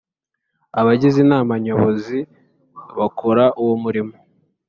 Abagize Inama Nyobozi bakora uwo murimo